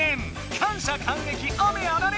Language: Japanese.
感謝感激あめあられ！